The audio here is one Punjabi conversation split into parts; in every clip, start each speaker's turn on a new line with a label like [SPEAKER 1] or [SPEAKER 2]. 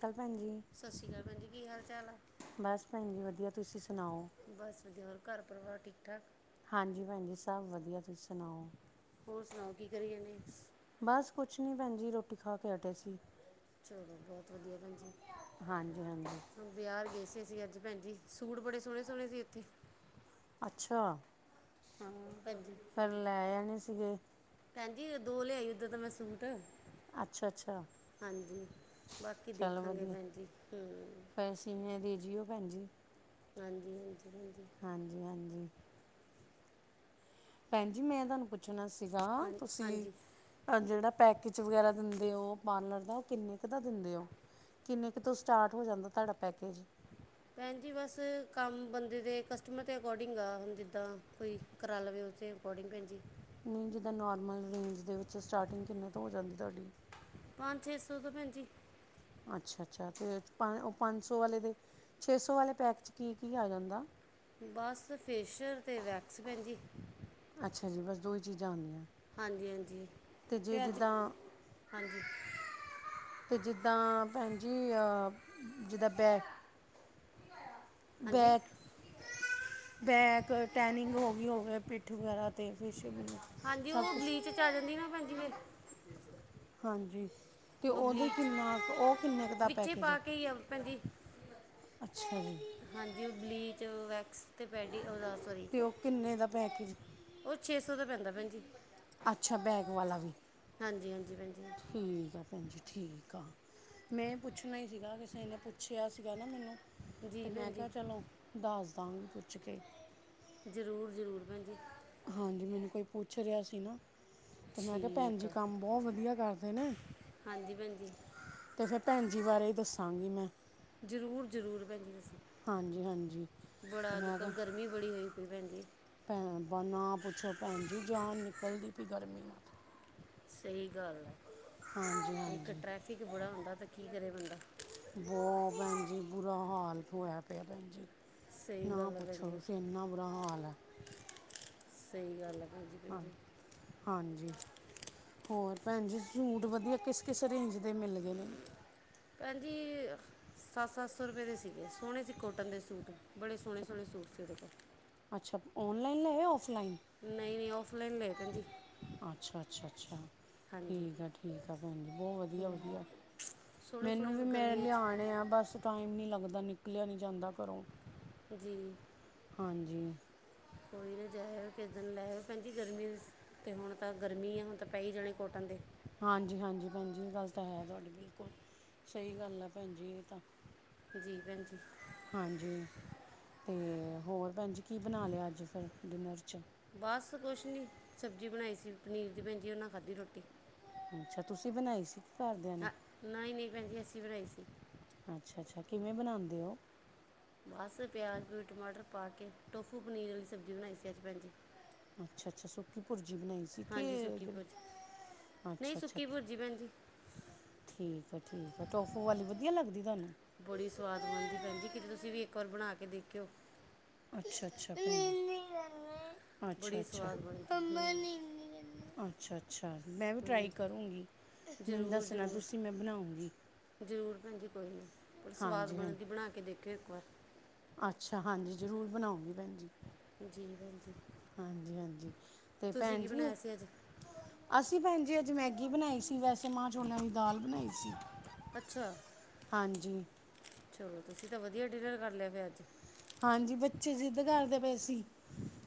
[SPEAKER 1] ਕੱਲ ਭੈਣ ਜੀ,
[SPEAKER 2] ਸਤਿ ਸ਼੍ਰੀ ਅਕਾਲ ਭੈਣ ਜੀ ਕੀ ਹਾਲ ਚਾਲ ਆ
[SPEAKER 1] ਬਸ ਭੈਣ ਜੀ ਵਧੀਆ। ਤੁਸੀਂ ਸੁਣਾਓ?
[SPEAKER 2] ਬਸ ਵਧੀਆ। ਹੋਰ, ਘਰ-ਪਰਿਵਾਰ ਠੀਕ-ਠਾਕ?
[SPEAKER 1] ਹਾਂਜੀ, ਭੈਣ ਜੀ। ਸਭ ਵਧੀਆ, ਤੁਸੀਂ ਸੁਣਾਓ?
[SPEAKER 2] ਹੋਰ ਸੁਣਾਓ, ਕੀ ਕਰੀ ਜਾਂਨੇੇ?
[SPEAKER 1] ਬਸ ਕੁਛ ਨੀ ਭੈਣਜੀ, ਰ੍ਹੋਟੀ ਖਾਕੇ ਹਟੇ ਸੀ।
[SPEAKER 2] ਚਲੋ, ਬਹੁਤ ਵਧੀਆ ਭੈਣ ਜੀ।
[SPEAKER 1] ਹਾਂਜੀ-ਹਾਂਜੀ।
[SPEAKER 2] ਬਯਾਰ ਗਏ ਸੀ ਅਸੀਂ, ਅੱਜ ਭੈਣਜੀ। ਸੂਟ ਬੜੇ ਸੋਹਣੇ-ਸੋਹਣੇ ਸੀ ਇੱਥੇ।
[SPEAKER 1] ਅੱਛਾ!
[SPEAKER 2] ਹਾਂ, ਭੈਣਜੀ।
[SPEAKER 1] ਫੇਰ, ਲੈ ਆਣੇ ਸੀਗੇ।
[SPEAKER 2] ਭੈਣ ਜੀ, ਦੋ ਲਿਆਈ ਓਦਾਂ ਤਾਂ, ਮੈਂ ਸੂਟ।
[SPEAKER 1] ਅੱਛਾ ਅੱਛਾ
[SPEAKER 2] ਹਾਂਜੀ। ਬਾਕੀ ਦੇਖਾਂਗੇ ਭੈਣ ਜੀ, ਹੂੰ।
[SPEAKER 1] ਪੈਸੇ ਵੀ ਹੈਦੇ ਜਿਓ ਭੈਣ ਜੀ,
[SPEAKER 2] ਹਾਂਜੀ, ਹਾਂਜੀ, ਹਾਂਜੀ।
[SPEAKER 1] ਹਾਂਜੀ-ਹਾਂਜੀ। ਭੈਣ ਜੀ, ਮੈਂ ਤੁਹਾਨੂੰ ਪੁੱਛਣਾ ਸੀਗਾ,
[SPEAKER 2] ਹਾਂ
[SPEAKER 1] ਤੁਸੀਂ
[SPEAKER 2] ਹਾਂਜੀ
[SPEAKER 1] ਆ ਜਿਹੜਾ ਪੈਕੇਜ ਵਗੈਰਾ ਦਿੰਦੇ ਓ ਪਾਰਲਰ ਦਾ, ਉਹ ਕਿੰਨੇ ਕੁ ਦਾ ਦਿੰਦੇ ਓ? ਕਿੰਨੇ ਕੁ ਤੋਂ ਸਟਾਰਟ ਹੋ ਜਾਂਦਾ, ਤੁਹਾਡਾ ਪੈਕੇਜ?
[SPEAKER 2] ਭੈਣ ਜੀ ਬਸ, ਕੰਮ ਬੰਦੇ ਦੇ ਕਸਟਮਰ ਦੇ ਅਕੋਡਿੰਗ ਆ। ਹੁਣ ਜਿੱਦਾਂ, ਕੋਈ ਕਰਾਲਵੇ ਉਸਦੇ ਅਕੋਡਿੰਗ ਭੈਣ ਜੀ।
[SPEAKER 1] ਨਹੀਂ, ਜਿੱਦਾਂ ਨੋਰਮਲ ਰੇਂਜ ਦੇ ਵਿੱਚ ਸਟਾਰਟਿੰਗ ਕਿੰਨੇ ਤੋਂ ਹੋ ਜਾਂਦੀ ਤੁਹਾਡੀ?
[SPEAKER 2] ਪੰਜ-ਛੇ ਸੌ, ਤੋਂ ਭੈਣ ਜੀ।
[SPEAKER 1] ਅੱਛਾ-ਅੱਛਾ, ਅਤੇ ਪੰਜ ਉਹ ਪੰਜਸੌ, ਵਾਲੇ ਦੇ ਛੇਸੋ ਵਾਲੇ ਪੈਕ'ਚ ਕੀ-ਕੀ ਆ ਜਾਂਦਾ?
[SPEAKER 2] ਬਸ, ਫੇਸ਼ੀਅਲ ਤੇ ਵੈਕਸ ਭੈਣ ਜੀ।
[SPEAKER 1] ਅੱਛਾ ਜੀ, ਬਸ ਦੋਹੀ ਚੀਜ਼ਾਂ ਆਂਦੀਆਂ।
[SPEAKER 2] ਹਾਂਜੀ-ਹਾਂਜੀ, ਫਿਰ ਅੱਜ, ਹਾਂਜੀ।
[SPEAKER 1] ਲ [inaudible] ਤੇ ਜਿੱਦਾਂ ਭੈਣ ਜੀ, ਜਿੱਦਾਂ ਬੈਗ
[SPEAKER 2] ਹਾਂਜੀ
[SPEAKER 1] ਬੈਕ ਬੈਕ, ਟੈਨਿੰਗ ਹੋ ਗਈ ਹੋਵੇ, ਪਿੱਠ ਵਗੈਰਾ ਤੇ ਫੇਸ਼
[SPEAKER 2] ਹਾਂਜੀ, ਉਹ ਬਲੀਚ'ਚ ਆ ਜਾਂਦੀ ਨਾ, ਭੈਣਜੀ ਫਿਰ।
[SPEAKER 1] ਹਾਂਜੀ। ਅਤੇ
[SPEAKER 2] ਉਹ
[SPEAKER 1] ਉਹਦੇ
[SPEAKER 2] ਬਲੀਚ
[SPEAKER 1] ਕਿੰਨਾ ਕੁ, ਉਹ ਕਿੰਨਾ ਕੁ ਦਾ
[SPEAKER 2] ਵਿੱਚੇ
[SPEAKER 1] ਪੈਕੇਜ ਏ?
[SPEAKER 2] ਪਾ ਕੇ ਹੀ ਆ ਭੈਣ ਜੀ
[SPEAKER 1] ਅੱਛਾ ਜੀ!
[SPEAKER 2] ਹਾਂਜੀ, ਉਹ ਬਲੀਚ, ਵੈਕਸ ਅਤੇ ਪੈਡੀ ਓਦਾ ਸੌਰੀ‌।
[SPEAKER 1] ਉਹ ਕਿੰਨੇ ਦਾ ਪੈਕੇਜ
[SPEAKER 2] ਉਹ, ਛੇ-ਸੋ ਦਾ ਪੈਂਦਾ ਭੈਣਜੀ।
[SPEAKER 1] ਅੱਛਾ, ਬੈਗ ਵਾਲਾ ਵੀ।
[SPEAKER 2] ਹਾਂਜੀ-ਹਾਂਜੀ, ਭੈਣ ਜੀ।
[SPEAKER 1] ਠੀਕ ਆ ਭੈਣ ਜੀ, ਠੀਕ ਆ। ''ਮੈਂ ਪੁੱਛਣਾ ਹੀ ਸੀਗਾ, ਕਿਸੇ ਨੇ ਪੁੱਛਿਆ ਸੀਗਾ ਨਾ ਮੈਨੂੰ। ਤੇ,
[SPEAKER 2] ਜੀ
[SPEAKER 1] ਮੈਂ
[SPEAKER 2] ਭੈਣ ਜੀ
[SPEAKER 1] ਕਿਹਾ ਚਲੋ ਦੱਸਦਾਂ ਪੁੱਛਕੇ।
[SPEAKER 2] ਜ਼ਰੂਰ-ਜ਼ਰੂਰ ਭੈਣ ਜੀ।
[SPEAKER 1] ਹਾਂਜੀ, ਮੈਨੂੰ ਕੋਈ ਪੁੱਛ ਰਿਹਾ ਸੀ ਨਾ। ਤੇ, ਮੈਂ ਕਿਹਾ ਭੈਣ
[SPEAKER 2] ਠੀਕ
[SPEAKER 1] ਜੀ
[SPEAKER 2] ਆ
[SPEAKER 1] ਕੰਮ ਬਹੁਤ ਵਧੀਆ ਕਰਦੇ ਨੇ।
[SPEAKER 2] ਹਾਂਜੀ ਭੈਣ ਜੀ
[SPEAKER 1] ਤੇ ਫਿਰ, ਭੈਣ ਜੀ ਬਾਰੇ ਈ ਦੱਸਾਂਗੀ, ਮੈਂ।
[SPEAKER 2] ਜ਼ਰੂਰ -ਜ਼ਰੂਰ ਭੈਣ ਜੀ
[SPEAKER 1] ਹਾਂਜੀ ਹਾਂਜੀ
[SPEAKER 2] ਤੁਸੀ। ਬੜਾ
[SPEAKER 1] ਤੇ
[SPEAKER 2] ਅੱਜ
[SPEAKER 1] ਮੈਂ ਕਿਹਾ
[SPEAKER 2] -ਕਲ ਗਰਮੀ ਬੜੀ ਹੋਈ ਪਈ ਪੈਂਦੀ।
[SPEAKER 1] ਭੈਣ ਬ ਨਾ ਪੁੱਛੋ ਭੈਣ ਜੀ ਜਾਨ ਨਿਕਲਦੀ ਪਈ ਗਰਮੀ ਨਾਲ।
[SPEAKER 2] ਸਹੀ ਗੱਲ ਹੈ,
[SPEAKER 1] ਹਾਂਜੀ
[SPEAKER 2] ਇੱਕ
[SPEAKER 1] ਹਾਂਜੀ
[SPEAKER 2] ਟਰੈਫਿਕ ਬੜਾ ਹੁੰਦਾ। ਤਾਂ ਕੀ ਕਰੇ ਬੰਦਾ?
[SPEAKER 1] ਬਹੁਤ ਭੈਣ ਜੀ, ਬੁਰਾ ਹਾਲ ਹੋਇਆ ਪਿਆ ਭੈਣ ਜੀ।
[SPEAKER 2] ਸਹੀ
[SPEAKER 1] ਨਾ
[SPEAKER 2] ਗੱਲ ਹੈ ਭੈਣ
[SPEAKER 1] ਪੁੱਛੋ
[SPEAKER 2] ਜੀ
[SPEAKER 1] ਤੁਸੀ ਇੰਨਾ ਬੁਰਾ ਹਾਲ ਆ।
[SPEAKER 2] ਸਹੀ ਗੱਲ ਆ।
[SPEAKER 1] ਹਾਂ ਹਾਂਜੀ। ਹੋਰ ਭੈਣ ਜੀ ਸੂਟ ਵਧੀਆ ਕਿਸ -ਕਿਸ ਰੇਂਜ ਦੇ ਮਿਲ ਗਏ ਨੇ?
[SPEAKER 2] ਭੈਣ ਜੀ। ਸੱਤ -ਸੱਤ ਸੌ ਰੁਪਏ ਦੇ ਸੀਗੇ ਸੋਹਣੇ ਸੀ ਕੋਟਨ ਦੇ ਸੂਟ ਬੜੇ ਸੋਹਣੇ -ਸੋਹਣੇ ਸੂਟ ਸੀ ਉਹਦੇ ਕੋਲ।
[SPEAKER 1] ਅੱਛਾ ਔਨਲਾਈਨ ਲਏ ਹੈ ਜਾਂ ਔਫਲਾਈਨ?
[SPEAKER 2] ਨਹੀਂ- ਨਹੀਂ ਔਫਲਾਈਨ ਲਏ ਭੈਣ ਜੀ।
[SPEAKER 1] ਅੱਛਾ- ਅੱਛਾ- ਅੱਛਾ
[SPEAKER 2] ਹਾਂਜੀ
[SPEAKER 1] ਠੀਕ ਆ, ਠੀਕ ਆ ਭੈਣ ਜੀ ਬਹੁਤ ਵਧੀਆ- ਵਧੀਆ।
[SPEAKER 2] ਸੋਹਣੇ ਸੋਹਣੇ
[SPEAKER 1] ਮੈਨੂੰ ਵੀ
[SPEAKER 2] ਹੁਣ
[SPEAKER 1] ਮੇ
[SPEAKER 2] ਗਰਮੀਆਂ 'ਚ
[SPEAKER 1] ਲਿਆਉਣੇ ਆ ਬਸ ਟਾਈਮ ਨੀ ਲੱਗਦਾ ਨਿਕਲਿਆ ਨੀ ਜਾਂਦਾ ਘਰੋਂ
[SPEAKER 2] ਜੀ
[SPEAKER 1] ਹਾਂਜੀ
[SPEAKER 2] ਕੋਈ ਨਾ ਜਾਇਓ ਕਿੱਦਣ ਲੈ ਆਓ ਭੈਣਜੀ ਗਰਮੀ ਤੇ ਹੁਣ ਤਾਂ ਗਰਮੀ ਆ ਹੁਣ ਤਾਂ ਪੈ ਹੀ ਜਾਣੇ ਕੋਟਨ ਦੇ
[SPEAKER 1] ਹਾਂਜੀ- ਹਾਂਜੀ ਭੈਣ ਜੀ ਇਹ ਗੱਲ ਤਾਂ ਹੈ ਤੁਹਾਡੀ ਬਿਲਕੁਲ, ਸਹੀ ਗੱਲ ਆ ਭੈਣ ਜੀ ਇਹ ਤਾਂ
[SPEAKER 2] ਜੀ ਭੈਣਜੀ
[SPEAKER 1] ਹਾਂਜੀ ਤੇ ਹੋਰ ਭੈਣ ਜੀ ਕੀ ਬਣਾ ਲਿਆ ਅੱਜ ਫਿਰ, ਡਿਨਰ ਚ
[SPEAKER 2] ਬਸ ਕੁਛ ਨਹੀਂ, ਸਬਜ਼ੀ ਬਣਾਈ ਸੀ ਪਨੀਰ ਦੀ ਭੈਣ ਜੀ ਉਹਨਾਂ ਖਾਧੀ ਰੋਟੀ
[SPEAKER 1] ਅੱਛਾ ਤੁਸੀਂ ਬਣਾਈ ਸੀ, ਕੀ ਘਰਦਿਆਂ ਨੇ
[SPEAKER 2] ਹਾਂ ਨਹੀਂ -ਨਹੀਂ ਭੈਣ ਜੀ, ਅਸੀਂ ਬਣਾਈ ਸੀ
[SPEAKER 1] ਅੱਛਾ -ਅੱਛਾ ਕਿਵੇਂ ਬਣਾਉਂਦੇ ਹੋ
[SPEAKER 2] ਬਸ ਪਿਆਜ਼- ਪਿਯੂਜ, ਟਮਾਟਰ ਪਾ ਕੇ ਟੋਫੂ ਪਨੀਰ ਵਾਲੀ ਸਬਜ਼ੀ ਬਣਾਈ ਸੀ ਅੱਜ ਭੈਣ ਜੀ
[SPEAKER 1] ਅੱਛਾ -ਅੱਛਾ ਸੁੱਕੀ ਭੁਰਜੀ ਬਣਾਈ ਸੀ
[SPEAKER 2] ਹਾਂਜੀ
[SPEAKER 1] ਕੇ,
[SPEAKER 2] ਸੁੱਕੀ ਭੁਰਜੀ ਨਹੀਂ
[SPEAKER 1] ਅੱਛਾ- ਅੱਛਾ
[SPEAKER 2] ਸੁੱਕੀ ਭੁਰਜੀ ਭੈਣ ਜੀ
[SPEAKER 1] ਠੀਕ ਹੈ ਠੀਕ ਆ ਟੋਫੂ ਵਾਲੀ ਵਧੀਆ ਲੱਗਦੀ ਤੁਹਾਨੂੰ
[SPEAKER 2] ਬੜੀ ਸੁਆਦ ਬਣਦੀ ਭੈਣ ਜੀ ਕਿਤੇ ਤੁਸੀਂ ਵੀ ਇੱਕ ਵਾਰ ਬਣਾ ਕੇ ਦੇਖਿਓ
[SPEAKER 1] ਅੱਛਾ -ਅੱਛਾ, ਅੱਛਾ -ਅੱਛਾ
[SPEAKER 2] ਬੜੀ ਸਵਾਦ ਬਣਦੀ ਹੂੰ
[SPEAKER 1] ਅੱਛਾ -ਅੱਛਾ, ਮੈਂ ਵੀ
[SPEAKER 2] ਹੂੰ
[SPEAKER 1] ਟਰਾਈ ਕਰੂੰਗੀ, ਮੈਨੂੰ
[SPEAKER 2] ਜ਼ਰੂਰ
[SPEAKER 1] ਦੱਸਣਾ ਤੁਸੀਂ
[SPEAKER 2] ਜ਼ਰੂਰ
[SPEAKER 1] ਮੈਂ ਬਣਾਉਗੀ
[SPEAKER 2] ਜ਼ਰੂਰ ਭੈਣ ਜੀ ਕੋਈ ਨਹੀਂ, ਪਰ ਸਵਾਦ
[SPEAKER 1] ਹਾਂ
[SPEAKER 2] ਬਣਦੀ ਬਣਾ ਕੇ ਦੇਖਿਓ ਇੱਕ ਵਾਰ
[SPEAKER 1] ਅੱਛਾ ਹਾਂਜੀ ਜ਼ਰੂਰ ਬਣਾਉਂਗੀ ਭੈਣ ਜੀ
[SPEAKER 2] ਜੀ ਭੈਣਜੀ
[SPEAKER 1] ਹਾਂਜੀ -ਹਾਂਜੀ ਤੇ ਭੈਣ ਜੀ
[SPEAKER 2] ਸੀ ਅੱਜ
[SPEAKER 1] ਅਸੀਂ ਭੈਣਜੀ ਅੱਜ ਮੈਗੀ ਬਣਾਈ ਸੀ ਵੈਸੇ ਮਾਂ ਛੋਲਿਆਂ ਦੀ ਦਾਲ ਬਣਾਈ ਸੀ
[SPEAKER 2] ਅੱਛਾ,
[SPEAKER 1] ਹਾਂਜੀ
[SPEAKER 2] ਚਲੋ ਤੁਸੀਂ ਤਾਂ ਵਧੀਆ ਡਿਨਰ ਕਰ ਲਿਆ ਫਿਰ ਅੱਜ
[SPEAKER 1] ਹਾਂਜੀ ਬੱਚੇ ਜਿਦ ਕਰਦੇ ਪਏ ਸੀ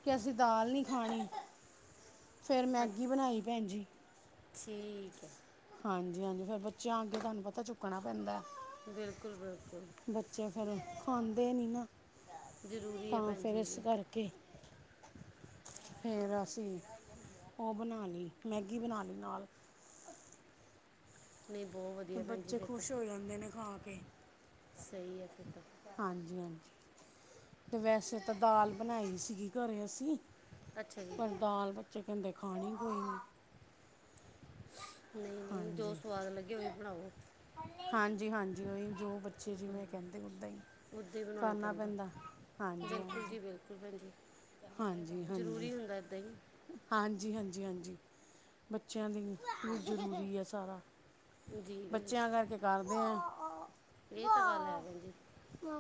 [SPEAKER 1] ਕਿ ਅਸੀਂ ਦਾਲ ਨਹੀਂ ਖਾਣੀ ਫਿਰ ਮੈਗੀ
[SPEAKER 2] ਅੱਛ-
[SPEAKER 1] ਬਣਾਈ ਭੈਣ ਜੀ
[SPEAKER 2] ਠੀਕ ਹੈ
[SPEAKER 1] ਹਾਂਜੀ -ਹਾਂਜੀ ਫਿਰ ਬੱਚਿਆਂ ਅੱਗੇ ਤੁਹਾਨੂੰ ਪਤਾ ਝੁਕਣਾ ਪੈਂਦਾ
[SPEAKER 2] ਬਿਲਕੁਲ ਬਿਲਕੁਲ
[SPEAKER 1] ਬੱਚੇ ਫਿਰ ਖਾਂਦੇ ਨੀ ਨਾ
[SPEAKER 2] ਜ਼ਰੂਰੀ ਹੈ
[SPEAKER 1] ਤਾਂ
[SPEAKER 2] ਭੈਣ
[SPEAKER 1] ਫਿਰ
[SPEAKER 2] ਜੀ ਇਹ
[SPEAKER 1] ਇਸ
[SPEAKER 2] ਵੀ
[SPEAKER 1] ਕਰਕੇ ਫੇਰ ਅਸੀਂ ਉਹ ਬਣਾ ਲਈ, ਮੈਗੀ ਬਣਾ ਲਈ ਨਾਲ
[SPEAKER 2] ਨਹੀਂ ਬਹੁਤ ਵਧੀਆ
[SPEAKER 1] ਕਿ
[SPEAKER 2] ਭੈਣ ਜੀ
[SPEAKER 1] ਬੱਚੇ
[SPEAKER 2] ਫਿਰ ਤਾਂ
[SPEAKER 1] ਖੁਸ਼ ਹੋ ਜਾਂਦੇ ਨੇ ਖਾ ਕੇ
[SPEAKER 2] ਸਹੀ ਹੈ ਫਿਰ ਤਾਂ
[SPEAKER 1] ਹਾਂਜੀ -ਹਾਂਜੀ ਤੇ ਵੈਸੇ ਤਾਂ ਦਾਲ ਬਣਾਈ ਸੀਗੀ ਘਰੇ ਅਸੀਂ
[SPEAKER 2] ਅੱਛਾ ਜੀ
[SPEAKER 1] ਪਰ ਦਾਲ ਬੱਚੇ ਕਹਿੰਦੇ ਖਾਣੀ ਕੋਈ ਨੀ
[SPEAKER 2] ਨਹੀਂ -ਨਹੀਂ, ਜੋ
[SPEAKER 1] ਹਾਂਜੀ
[SPEAKER 2] ਸਵਾਦ ਲੱਗੇ ਉਹ ਵੀ ਬਣਾਓ
[SPEAKER 1] ਹਾਂਜੀ- ਹਾਂਜੀ ਉਓਹੀ ਜੋ ਬੱਚੇ ਜਿਵੇਂ ਕਹਿੰਦੇ ਓਦਾਂ ਹੀ
[SPEAKER 2] ਉੱਦਾਂ ਹੀ ਬਣਾਉਣਾ
[SPEAKER 1] ਕਰਨਾ ਪੈਂਦਾ ਹਾਂਜੀ
[SPEAKER 2] ਬਿਲਕੁਲ ਜੀ
[SPEAKER 1] -ਹਾਂਜੀ
[SPEAKER 2] ਬਿਲਕੁਲ ਭੈਣ ਜੀ
[SPEAKER 1] ਹਾਂਜੀ ਹਾਂਜੀ
[SPEAKER 2] ਜ਼ਰੂਰੀ ਹੁੰਦਾ ਇੱਦਾਂ ਹੀ
[SPEAKER 1] ਹਾਂਜੀ -ਹਾਂਜੀ -ਹਾਂਜੀ ਬੱਚਿਆਂ ਦੀ ਜ਼ਰੂਰੀ ਹੈ ਸਾਰਾ
[SPEAKER 2] ਜੀ ਭੈਣ
[SPEAKER 1] ਬੱਚਿਆਂ ਕਰਕੇ ਕਰਦੇ ਹੈ
[SPEAKER 2] ਇਹ ਤਾਂ ਗੱਲ ਹੈ ਭੈਣ ਜੀ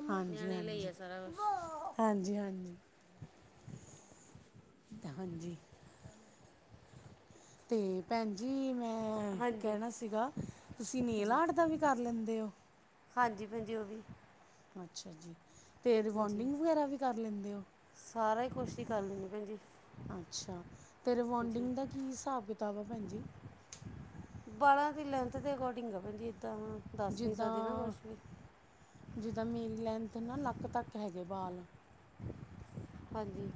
[SPEAKER 1] ਹਾਂਜੀ
[SPEAKER 2] ਨਿਆਣੇ ਲਈ ਆ
[SPEAKER 1] ਹਾਂਜੀ
[SPEAKER 2] ਸਾਰਾ ਕੁਛ
[SPEAKER 1] ਹਾਂਜੀ -ਹਾਂਜੀ ਹਾਂਜੀ ਤੇ ਭੈਣ ਜੀ ਮੈਂ ਅ ਕੀ
[SPEAKER 2] ਹਾਂਜੀ
[SPEAKER 1] ਕਹਿਣਾ ਸੀਗਾ ਤੁਸੀਂ ਨੇਲ
[SPEAKER 2] ਜੀ
[SPEAKER 1] ਆਟ ਦਾ ਵੀ ਕਰ ਲੈਂਦੇ ਹੋ
[SPEAKER 2] ਹਾਂਜੀ ਭੈਣਜੀ ਉਹ ਵੀ
[SPEAKER 1] ਅੱਛਾ ਜੀ ਅਤੇ
[SPEAKER 2] ਜੀ
[SPEAKER 1] ਰਿਬੋਂਡਿੰਗ ਵਗੈਰਾ ਵੀ ਕਰ ਲੈਂਦੇ ਹੋ
[SPEAKER 2] ਸਾਰਾ ਹੀ ਕੋਸ਼ਿ ਹੀ ਕਰ ਲੈਂਦੇ ਭੈਣਜੀ
[SPEAKER 1] ਅੱਛਾ ਅਤੇ ਰਵੋਂਡਿੰਗ ਦਾ ਕੀ ਹਿਸਾਬ ਕਿਤਾਬ ਆ ਭੈਣ ਜੀ
[SPEAKER 2] ਬਾਲਾਂ ਦੀ ਲੈਂਥ ਦੇ ਅਕੋਡਿੰਗ ਆ ਏਦਾਂ ਹਾਂ
[SPEAKER 1] ਜਿੱਦਾਂ ਜਿੱਦਾਂ ਮੇਰੀ ਲੈਂਥ ਨਾ ਲੱਕ ਤੱਕ ਹੈਗੇ ਬਾਲ
[SPEAKER 2] ਹਾਂਜੀ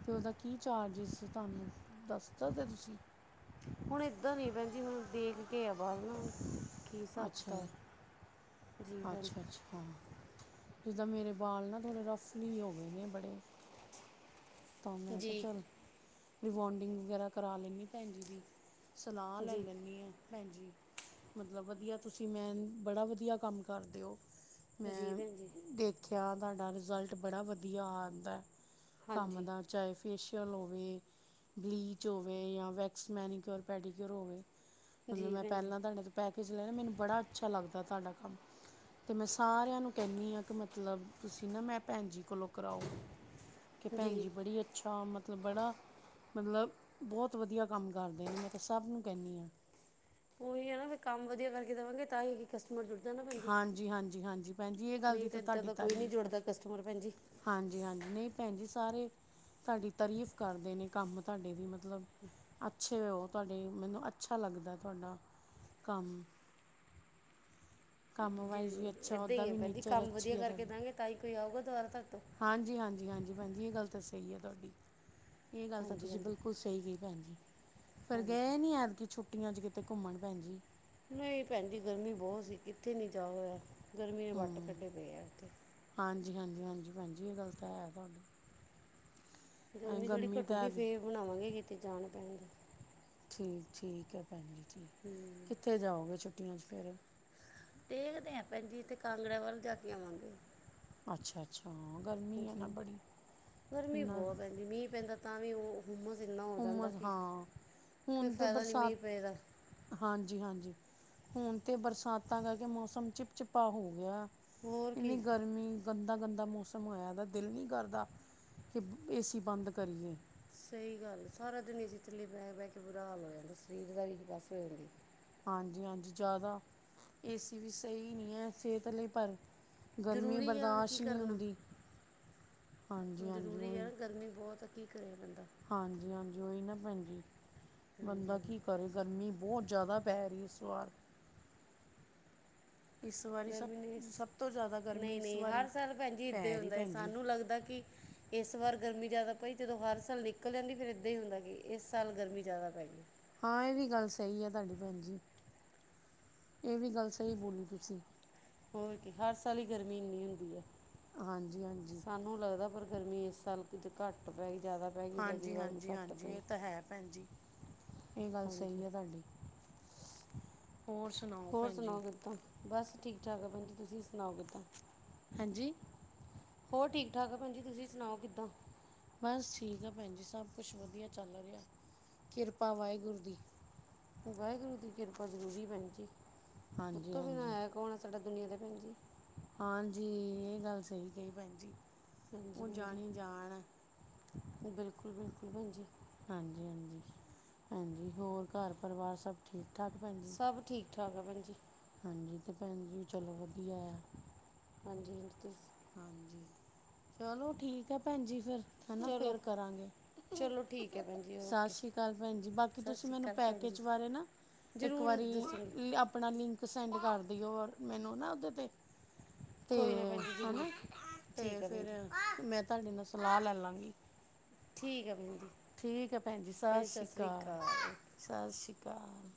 [SPEAKER 1] ਅਤੇ ਉਹਦਾ ਕੀ ਚਾਰਜਿਸ ਤੁਹਾਨੂੰ ਦੱਸ ਸਕਦੇ ਤੁਸੀਂ
[SPEAKER 2] ਹੁਣ ਇਦਾਂ ਨਹੀਂ ਭੈਣ ਜੀ ਹੁਣ ਦੇਖ ਕੇ ਆ ਬਾਲ ਨਾਲ ਕੀ ਹਿਸਾਬ
[SPEAKER 1] ਅੱਛਾ
[SPEAKER 2] ਕਿਤਾਬ ਜੀ ਭੈਣ
[SPEAKER 1] ਅੱਛਾ
[SPEAKER 2] ਜੀ
[SPEAKER 1] ਅੱਛਾ ਜਿੱਦਾਂ ਮੇਰੇ ਬਾਲ ਨਾ ਥੋੜ੍ਹੇ ਰਫਲੀ ਹੋ ਗਏ ਨੇ ਬੜੇ ਤਾਂ ਮੈਂ
[SPEAKER 2] ਜੀ
[SPEAKER 1] ਕਿਹਾ ਚੱਲ ਰਿਵਾਂਡਿੰਗ ਵਗੈਰਾ ਕਰਾ ਲੈਂਦੀ ਭੈਣ ਜੀ ਦੀ ਸਲਾਹ ਲੈ
[SPEAKER 2] ਜੀ
[SPEAKER 1] ਲੈਂਨੀ ਹਾਂ ਭੈਣਜੀ ਮਤਲਬ ਵਧੀਆ ਤੁਸੀਂ ਮੈ ਬੜਾ ਵਧੀਆ ਕੰਮ ਕਰਦੇ ਹੋ
[SPEAKER 2] ਜੀ
[SPEAKER 1] ਮੈਂ
[SPEAKER 2] ਭੈਣ ਜੀ
[SPEAKER 1] ਦੇਖਿਆ ਤੁਹਾਡਾ ਰਿਜ਼ਲਟ ਬੜਾ ਵਧੀਆ ਆ ਆਉਂਦਾ ਕੰਮ
[SPEAKER 2] ਹਾਂਜੀ
[SPEAKER 1] ਦਾ ਚਾਹੇ ਫੇਸ਼ੀਅਲ ਹੋਵੇ ਬਲਿਚ ਹੋਵੇ ਜਾਂ ਵੱਕ੍ਸ ਮੇਨਿਕਰ ਯਾ ਪੈਡੀਕਰੇ ਹੋਵੇ ਮਤਲਬ
[SPEAKER 2] ਜੀ
[SPEAKER 1] ਮੈ
[SPEAKER 2] ਭੈਣ ਜੀ
[SPEAKER 1] ਪਹਿਲਾ ਤਾਂ ਨੀਂ ਪੈਕੇਜ ਲੈ ਮੈਨੂੰ ਬੜਾ ਅੱਛਾ ਲੱਗਦਾ ਤੁਹਾਡਾ ਕੰਮ ਅਤੇ ਮੈਂ ਸਾਰਿਆਂ ਨੂੰ ਕਹਿੰਦੀ ਹਾਂ ਕਿ ਮਤਲਬ ਤੁਸੀਂ ਨਾ ਮੈਂ ਭੈਣ ਜੀ ਕੋਲੋਂ ਕਰਾਓ ਕਿ ਭੈਣ
[SPEAKER 2] ਜੀ
[SPEAKER 1] ਜ ਬੜੀਛੀ ਅੱਛਾ ਮਤਲਬ ਬੜਾ ਮਤਲਬ ਬਹੁਤ ਵਧੀਆ ਕੰਮ ਕਰਦੇ ਨੇ ਮੈਂ ਤਾਂ ਸਭ ਨੂੰ ਕਹਿੰਦੀ ਹਾਂ
[SPEAKER 2] ਉਹੀ ਹੈ ਨਾ ਫਿਰ ਕੰਮ ਵਧੀਆ ਕਰਕੇ ਦੇਵਾਂਗੇ ਤਾਂ ਹੀ ਕਸਟਮਰ ਜੁੜਦਾ ਨਾ ਭੈਣ ਜ
[SPEAKER 1] ਹਾਂਜੀ ਹਾਂਜੀ ਹਾਂਜੀ ਭੈਣ ਜੀ ਇਹ ਗੱਲ ਦੀ
[SPEAKER 2] ਨਹੀਂ ਤਾਂ ਏਦਾਂ
[SPEAKER 1] ਤੁਹਾਡੀ
[SPEAKER 2] ਦਾ ਕੋਈ ਨੀ
[SPEAKER 1] ਤਾਰੀਫ਼ ਹੈ
[SPEAKER 2] ਜੁੜਦਾ ਕਸਟਮਰ ਭੈਣ ਜੀ
[SPEAKER 1] ਹਾਂਜੀ ਹਾਂਜੀ ਨਹੀਂ ਭੈਣ ਜੀ ਸਾਰੇ ਤੁਹਾਡੀ ਤਾਰੀਫ਼ ਕਰਦੇ ਨੇ ਕੰਮ ਤੁਹਾਡੇ ਦੀ ਮਤਲਬ ਮਤਲਬ ਅੱਛੇ ਉਹ ਤੁਹਾਡੇ ਮੈਨੂੰ ਅੱਛਾ ਲੱਗਦਾ ਤੁਹਾਡਾ ਕੰਮ ਕੰਮ
[SPEAKER 2] ਜੀ
[SPEAKER 1] ਵਾਈਜ਼ ਵੀ ਅੱਛਾ
[SPEAKER 2] ਇੱਦਾਂ
[SPEAKER 1] ਉੱਦਾਂ
[SPEAKER 2] ਹੀ ਹੈ
[SPEAKER 1] ਵੀ
[SPEAKER 2] ਭੈਣ ਜੀ
[SPEAKER 1] ਨੇਚਰ
[SPEAKER 2] ਕੰਮ ਵਧੀਆ
[SPEAKER 1] ਅੱਛੀ ਹੈ
[SPEAKER 2] ਕਰਕੇ
[SPEAKER 1] ਤੁਹਾਡੀ
[SPEAKER 2] ਦਵਾਂਗੇ ਤਾਂ ਹੀ ਕੋਈ ਆਊਗਾ ਦੁਬਾਰਾ ਤੁਰ ਤੋਂ
[SPEAKER 1] ਹਾਂਜੀ ਹਾਂਜੀ ਹਾਂਜੀ ਭੈਣ ਜੀ ਇਹ ਗੱਲ ਤਾਂ ਸਹੀ ਹੈ ਤੁਹਾਡੀ ਇਹ ਗੱਲ ਤਾਂ
[SPEAKER 2] ਹਾਂਜੀ
[SPEAKER 1] ਤੁਸੀਂ
[SPEAKER 2] ਹਾਂਜੀ
[SPEAKER 1] ਬਿਲਕੁਲ ਸਹੀ ਕਹੀ ਭੈਣ ਜੀ ਫੇਰ
[SPEAKER 2] ਹਾਂਜੀ
[SPEAKER 1] ਗਏ ਨੀ ਆਦਕੀ ਛੁੱਟੀਆਂ ਚ ਕਿਤੇ ਘੁੰਮਣ ਭੈਣ ਜੀ
[SPEAKER 2] ਨਹੀਂ ਭੈਣ ਜੀ ਗਰਮੀ ਬਹੁਤ ਸੀ ਇੱਥੇ ਨਹੀਂ ਜਾ ਹੋਇਆ ਗਰਮੀ ਦੇ ਵੱਟ
[SPEAKER 1] ਹੂੰ
[SPEAKER 2] ਕੱਢੇ ਪਏ ਆ ਉੱਥੇ
[SPEAKER 1] ਹਾਂਜੀ ਹਾਂਜੀ ਹਾਂਜੀ ਭੈਣ ਜ ਇਹ ਗੱਲ ਤਾਂ ਹੈ ਤੁਹਾਡੀ ਐ
[SPEAKER 2] ਗਰਮੀ ਥੋੜ੍ਹੀ
[SPEAKER 1] ਤਾਂ
[SPEAKER 2] ਘੱਟੂਗੀ
[SPEAKER 1] ਹੈ।
[SPEAKER 2] ਫੇਰ ਬਣਾਵਾਂਗੇ ਕਿਤੇ ਜਾਣ ਪੈਣ ਦਾ
[SPEAKER 1] ਠੀਕ ਠੀਕ ਹੈ ਭੈਣ ਜੀ ਠੀਕ
[SPEAKER 2] ਹਮ
[SPEAKER 1] ਕਿੱਥੇ ਜਾਓਗੇ ਛੁੱਟੀਆਂ 'ਚ ਫਿਰ
[SPEAKER 2] ਦੇਖ ਦੇ ਹੈ ਭੈਜੀ ਅਤੇ ਕਾਂਗੜਿਆਂ ਵੱਲ ਜਾ ਕੇ ਆਵਾਂਗੇ
[SPEAKER 1] ਅੱਛਾ ਅੱਛਾ ਗਰਮੀ ਹੈ ਨਾ ਬੜੀ
[SPEAKER 2] ਗਰਮੀ
[SPEAKER 1] ਨਾ
[SPEAKER 2] ਬਹੁਤ ਪੈਂਦੀ ਮੀਂਹ ਪੈਂਦਾ ਤਾਂ ਵੀ ਉਹ ਹੁੁੰਮਸ ਇੰਨਾ ਹੋ ਜਾਂਦਾ
[SPEAKER 1] ਹੁਮਸ
[SPEAKER 2] ਕਿ
[SPEAKER 1] ਹਾਂ
[SPEAKER 2] ਕੋਈ
[SPEAKER 1] ਹੁਣ ਤੇ
[SPEAKER 2] ਫਾਇਦਾ ਨਹੀਂ ਮੀਂਹ
[SPEAKER 1] ਬਰਸਾਤ
[SPEAKER 2] ਪਏਦਾ
[SPEAKER 1] ਹਾਂਜੀ ਹਾਂਜੀ ਹੁਣ ਤੇ ਬਰਸਾਤਾਂ ਕਹਿ ਕੇ ਮੌਸਮ ਚਿਪ ਚਿਪਾ ਹੋ ਗਿਆ
[SPEAKER 2] ਹੋਰ
[SPEAKER 1] ਇੰਨੀ
[SPEAKER 2] ਕੀ
[SPEAKER 1] ਗਰਮੀ ਗੰਦਾ-ਗੰਦਾ ਮੌਸਮ ਹੋਇਆ ਦਾ, ਦਿਲ ਨ੍ਹੀਂ ਕਰਦਾ ਕਿ ਏ ਸੀ ਬੰਦ ਕਰੀਏ।
[SPEAKER 2] ਸਹੀ ਗੱਲ। ਸਾਰਾ ਦਿਨ ਅ ਏਸੀ ਥੱਲੇ ਬਹਿ ਕੇ, ਬਹਿ ਕੇ ਬੁਰਾ ਹਾਲ ਹੋ ਜਾਂਦਾ। ਸਰੀਰ ਦਾ ਵੀ ਬੱਸ ਹੋ ਜਾਂਦੀ।
[SPEAKER 1] ਹਾਂਜੀ ਹਾਂਜੀ, ਜ਼ਿਆਦਾ ਏਸੀ ਵੀ ਸਹੀ ਨਹੀਂ ਏ ਸਿਹਤ ਲਈ ਪਰ ਗਰਮੀ
[SPEAKER 2] ਜ਼ਰੂਰੀ ਹੈ ਹੁਣ ਕੀ
[SPEAKER 1] ਬਰਦਾਸ਼ਤ ਨਹੀਂ
[SPEAKER 2] ਕਰਨਾ?
[SPEAKER 1] ਹੁੰਦੀ ਹਾਂਜੀ
[SPEAKER 2] ਹੁਣ
[SPEAKER 1] ਹਾਂਜੀ
[SPEAKER 2] ਜ਼ਰੂਰੀ ਆ
[SPEAKER 1] ਉਹੀ
[SPEAKER 2] ਗਰਮੀ ਬਹੁਤ ਕੀ ਕਰੇ ਬੰਦਾ
[SPEAKER 1] ਹਾਂਜੀ ਹਾਂਜੀ, ਓਹੀ ਨਾ ਭੈਣ ਜੀ। ਬੰਦਾ ਕੀ ਕਰੇ ਗਰਮੀ ਬਹੁਤ ਜ਼ਿਆਦਾ ਪੈ ਰਹੀ ਇਸ ਵਾਰ। ਇਸ ਵਾਰੀ ਸਭ
[SPEAKER 2] ਗਰਮੀ ਨੇਂ ਇ
[SPEAKER 1] ਸਭ ਤੋਂ ਜ਼ਿਆਦਾ ਗਰਮੀ
[SPEAKER 2] ਨਈਂ
[SPEAKER 1] ਇਸ
[SPEAKER 2] ਨਈਂ,
[SPEAKER 1] ਵਾਰੀ
[SPEAKER 2] ਹਰ ਸਾਲ ਭੈਣ ਜੀ ਇਦਾਂ ਈ
[SPEAKER 1] ਪੈ ਰਹੀ
[SPEAKER 2] ਹੁੰਦਾ ਐ,
[SPEAKER 1] ਭੈਣ ਜੀ
[SPEAKER 2] ਸਾਨੂੰ ਲੱਗਦਾ ਕਿ ਇਸ ਵਾਰ ਗਰਮੀ ਜ਼ਿਆਦਾ ਪਈ, ਜਦੋਂ ਹਰ ਸਾਲ ਨਿਕਲ ਜਾਂਦੀ ਫੇਰ ਏਦਾਂ ਹੀ ਹੁੰਦਾ ਕਿ ਇਸ ਸਾਲ ਗਰਮੀ ਜ਼ਿਆਦਾ ਪੈਗੀ।
[SPEAKER 1] ਹਾਂ ਇਹ ਵੀ ਗੱਲ ਸਹੀ ਐ ਤੁਹਾਡੀ ਭੈਣ ਜੀ, ਇਹ ਵੀ ਗੱਲ ਸਹੀ ਬੋਲੀ ਤੁਸੀਂ
[SPEAKER 2] ਹੋਰ ਕੀ? ਹਰ ਸਾਲ ਹੀ ਗਰਮੀ ਇੰਨੀ ਹੁੰਦੀ ਆ।
[SPEAKER 1] ਹਾਂਜੀ ਹਾਂਜੀ।
[SPEAKER 2] ਸਾਨੂੰ ਲੱਗਦਾ ਪਰ ਗਰਮੀ ਇਸ ਸਾਲ ਕੁਝ ਘੱਟ ਪੈ ਗਈ, ਜ਼ਿਆਦਾ ਪੈ ਗਈ, ਤੇ ਅਗਲੀ ਵਾਰ ਵੀ ਘੱਟ ਪਈ।
[SPEAKER 1] ਹੈਂ ਭੈਣਜੀ।
[SPEAKER 2] ਹਾਂਜੀ,
[SPEAKER 1] ਹੋਰ ਸੁਣਾਓ
[SPEAKER 2] ਹੋਰ
[SPEAKER 1] ਭੈਣ ਜੀ
[SPEAKER 2] ਸੁਣਾਓ ਕਿੱਦਾਂ? ਬਸ, ਠੀਕ-ਠਾਕ ਆ ਪੈਂਜੀ, ਤੁਸੀ ਸੁਨਾਓ ਕਿੱਦਾਂ?
[SPEAKER 1] ਹਾਂਜੀ।
[SPEAKER 2] [unintelligible] ਹੋਰ, ਠੀਕ-ਠਾਕ ਆ ਪੈਂਜੀ, ਤੁਸੀ ਸੁਨਾਓ ਕਿੱਦਾਂ?
[SPEAKER 1] ਬਸ, ਠੀਕ ਆ ਪੈਂਜੀ। ਸਭ ਕੁੱਛ ਵਦੀਆ ਚੱਲ ਰੇਆ, ਕਿਰਪਾ ਵਾਹਿਗੁਰੂ ਦੀ।
[SPEAKER 2] ਵਾਹਿਗੁਰੂ ਦੀ ਕਿਰਪਾ ਜ਼ਰੂਰੀ ਏ ਪੈਂਜੀ,
[SPEAKER 1] ਹਾਂਜੀ
[SPEAKER 2] ਉੱਤੋ ਬਿਨਾਂ
[SPEAKER 1] ਹਾਂਜੀ
[SPEAKER 2] ਆਯਾ ਕੌਨ ਸਾਡਾ ਦੁਨੀਆ ਤੇ ਪੈਂਜੀ।
[SPEAKER 1] ਹਾਂਜੀ, ਏ ਗੱਲ ਸਈ ਕਈ ਪੈਂਜੀ।
[SPEAKER 2] ਹਾਂਜੀ
[SPEAKER 1] ਓ
[SPEAKER 2] ਭੈਣ ਜੀ
[SPEAKER 1] ਜਾਣੀ-ਜਾਣ ਐ।
[SPEAKER 2] ਬਿਲਕੁਲ, ਬਿਲਕੁਲ ਪੈੰਜੀ।
[SPEAKER 1] ਹਾਂਜੀ, ਹਾਂਜੀ, ਹਾਂਜੀ ਹੋਰ ਘਰ ਪਰਿਵਾਰ ਸਭ ਠੀਕ-ਠਾਕ ਪੈਂਜੀ?
[SPEAKER 2] ਠੀਕ-ਠਾਕ ਆ, ਪੈਂਜੀ।
[SPEAKER 1] ਹਾਂਜੀ, ਤੇ ਪੈਂਜੀ ਚਲੋ ਵਦੀਐ।
[SPEAKER 2] ਹਾਂਜੀ, ਹਾਂਜੀ ਤੁਸ
[SPEAKER 1] ਹਾਂਜੀ, ਚਲੋ ਠੀਕ ਐ ਪੈਂਜੀ ਫੇਰ ਹਨਾਂ!
[SPEAKER 2] ਚਲੋ
[SPEAKER 1] ਫੇਰ ਕਰਾਂਗੇ।
[SPEAKER 2] ਚਲੋ ਠੀਕ ਹੈ
[SPEAKER 1] [unintelligible]
[SPEAKER 2] ਭੈਣ ਜੀ ਓਕੇ
[SPEAKER 1] ਸਾਸਰੀ ਕਾਲ ਪੈਂਜੀ, ਬਾਕੀ
[SPEAKER 2] ਸਤਿ
[SPEAKER 1] ਤੁਸੀ
[SPEAKER 2] ਸ਼੍ਰੀ
[SPEAKER 1] ਮੈਨੂੰ
[SPEAKER 2] ਅਕਾਲ ਭੈਣ ਜੀ
[SPEAKER 1] ਪੈਕੇਜ ਬਾਰੇ ਨਾਂ ਇੱਕ
[SPEAKER 2] ਜ਼ਰੂਰ ਦੱਸੂੰਗੀ
[SPEAKER 1] ਵਾਰੀ ਅਪਣਾ ਲਿੰਕ ਸੈਂਡ ਕਰ ਦਈਓ ਮੈਨੂੰ ਨਾਂ ਉਦੇ ਤੇ ਤੇ
[SPEAKER 2] ਕੋਈ ਨਾਂ ਪੈਂਜੀ ਜ਼ਰੂਰ,
[SPEAKER 1] ਹਨਾ ਤੇ
[SPEAKER 2] ਠੀਕ ਐ, ਪੈਂਜੀ।
[SPEAKER 1] ਫਿਰ ਮੈਂ ਤਾਡੇ ਨਾਲ ਸਲਾਹ ਲੈ ਲਾਂਗੀ।
[SPEAKER 2] ਠੀਕ ਐ, ਪੈਂਜੀ।
[SPEAKER 1] ਠੀਕ ਐ, ਪੈਂਜੀ। ਸਾਸੀ ਕਾਲ, [unintelligible] ਸਾਸੀ ਕਾਲ।